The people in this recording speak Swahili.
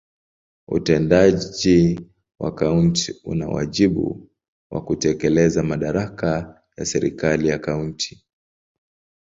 Utendaji wa kaunti una wajibu wa kutekeleza madaraka ya serikali ya kaunti.